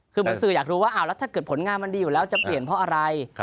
คือเหมือนสื่ออยากรู้ว่าแล้วถ้าเกิดผลงานมันดีอยู่แล้วจะเปลี่ยนเพราะอะไร